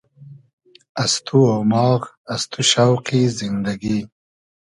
از تو اۉماغ از تو شۆقی زیندئگی